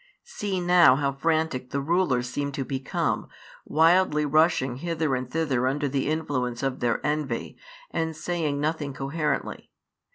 See now how frantic the rulers seem to become, wildly rushing hither and thither under the influence of their envy, and saying nothing coherently.